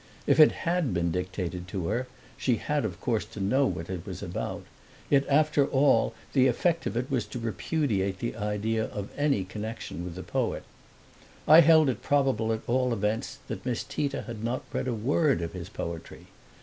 If it had been dictated to her she had of course to know what it was about; yet after all the effect of it was to repudiate the idea of any connection with the poet. I held it probable at all events that Miss Tita had not read a word of his poetry.